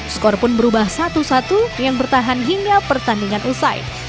skor pun berubah satu satu yang bertahan hingga pertandingan usai